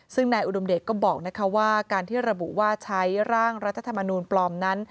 ซึ่งนายอุดมเดชก็บอกว่าการที่ระบุว่าใช้ร่างรัฐธรรมนูลปลอมนั้น